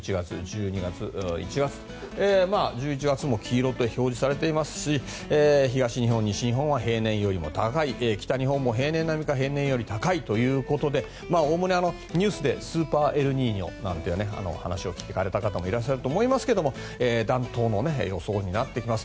１１月も黄色く表示されていますし東日本、西日本は平年よりも高い北日本も平年並みか高いということでニュースでスーパーエルニーニョという話を聞かれた方もいらっしゃると思いますが暖冬の予想になってきます。